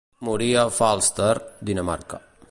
Morí a Falster, Dinamarca.